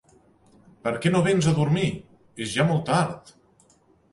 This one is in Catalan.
Per què no vens a dormir? És ja molt tard!